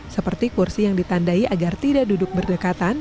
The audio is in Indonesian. seperti kursi yang ditandai agar tidak duduk berdekatan